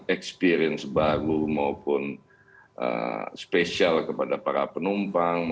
experience baru maupun spesial kepada para penumpang